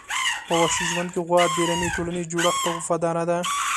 په وحشي ژوند کې غوا د رمي ټولنیز جوړښت ته وفاداره ده.